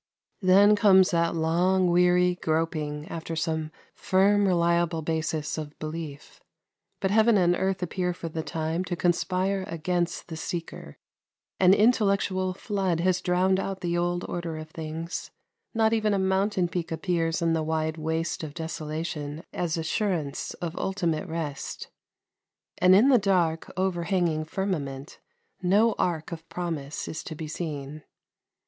Then comes that long, weary groping after some firm, reliable basis of belief: but heaven and earth appear for the time to conspire against the seeker; an intellectual flood has drowned out the old order of things; not even a mountain peak appears in the wide waste of desolation as assurance of ultimate rest; and in the dark, overhanging firmament no arc of promise is to be seen.